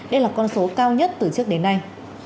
đây là con số cao nhất từ trước đến nay